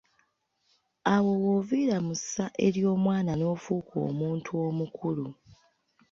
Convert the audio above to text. Awo w'oviira mu ssa ery'omwana n'ofuuka omuntu omukulu.